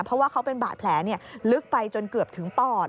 เพราะว่าเขาเป็นบาดแผลลึกไปจนเกือบถึงปอด